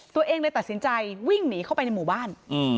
ตัวเองเลยตัดสินใจวิ่งหนีเข้าไปในหมู่บ้าน